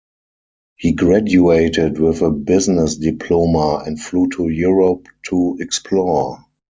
He graduated with a business diploma and flew to Europe to explore.